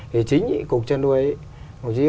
thì chính cục chân nuôi